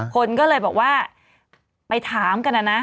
คนก็เลยบอกว่าไปถามกันนะนะ